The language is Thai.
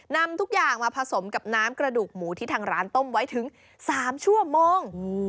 นำทุกอย่างมาผสมกับน้ำกระดูกหมูที่ทางร้านต้มไว้ถึง๓ชั่วโมง